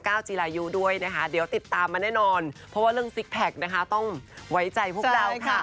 เพราะว่าเรื่องซิกแพคนะคะต้องไว้ใจพวกเราค่ะ